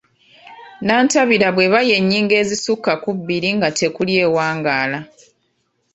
Nnantabira bw'eba ey’ennyingo ezisukka ku bbiri nga tekuli ewangaala.